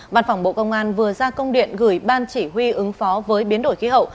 văn phòng bộ công an vừa ra công điện gửi ban chỉ huy ứng phó với biến đổi khí hậu